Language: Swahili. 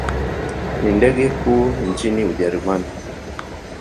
Ni ndege kuu nchini Ujerumani.